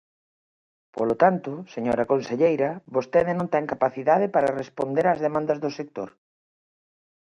Polo tanto, señora conselleira, vostede non ten capacidade para responder ás demandas do sector.